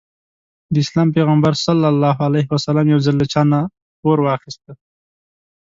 د اسلام پيغمبر ص يو ځل له چانه پور واخيسته.